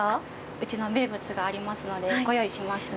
うちの名物がありますのでご用意しますね。